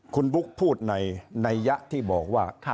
คุณบุ๊คพูดในนัยยะที่บอกว่า